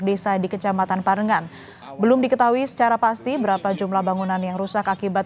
desa di kecamatan parengan belum diketahui secara pasti berapa jumlah bangunan yang rusak akibat